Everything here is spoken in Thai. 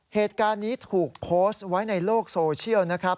เหตุการณ์นี้ถูกโพสต์ไว้ในโลกโซเชียลนะครับ